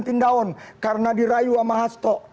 hitin daun karena dirayu sama hasto